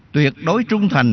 tuyệt đối trung thành